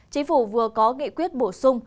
chính phủ vừa có nghị quyết bổ sung